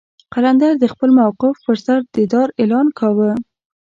قلندر د خپل موقف پر سر د دار اعلان کاوه.